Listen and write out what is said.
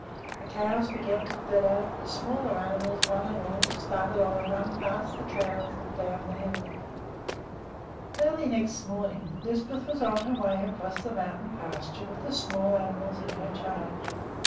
The cows began to bellow. The smaller animals, one and all, started on a run past the cows and down the hill. Early the next morning Lisbeth was on her way across the mountain pasture with the small animals in her charge.